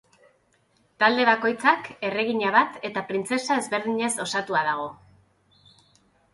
Talde bakoitzak erregina bat eta printzesa ezberdinez osatua dago.